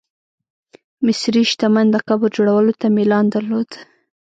مصري شتمن د قبر جوړولو ته میلان درلود.